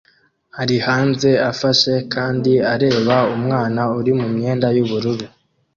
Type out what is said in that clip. ari hanze afashe kandi areba umwana uri mumyenda yubururu